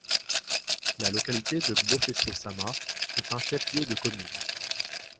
La localité de Gbofesso-Sama est un chef-lieu de commune.